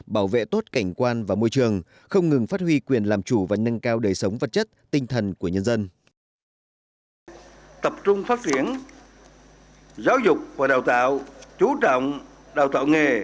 bảo vệ tốt cảnh quan và môi trường không ngừng phát huy quyền làm chủ và nâng cao đời sống vật chất tinh thần của nhân dân